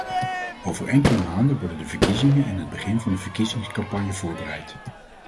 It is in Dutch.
Over enkele maanden worden de verkiezingen en het begin van de verkiezingscampagne voorbereid.